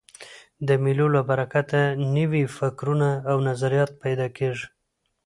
د مېلو له برکته نوي فکرونه او نظریات پیدا کېږي.